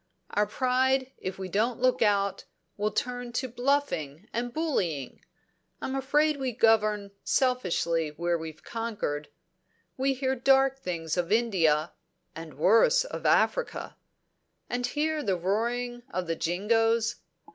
Our pride, if we don't look out, will turn to bluffing and bullying. I'm afraid we govern selfishly where we've conquered. We hear dark things of India, and worse of Africa. And hear the roaring of the Jingoes!